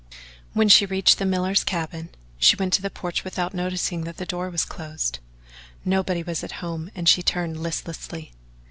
When she reached the miller's cabin, she went to the porch without noticing that the door was closed. Nobody was at home and she turned listlessly.